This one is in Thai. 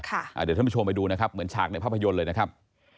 เดี๋ยวท่านผู้ชมไปดูนะครับเหมือนฉากในภาพยนตร์เลยนะครับ